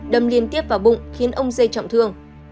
đâm liên tiếp vào bụng khiến ông dây trọng thương